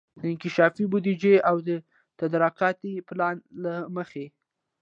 د انکشافي بودیجې او تدارکاتي پلان له مخي